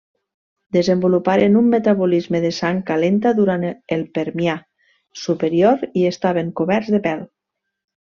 Desenvoluparen un metabolisme de sang calenta durant el Permià superior i estaven coberts de pèl.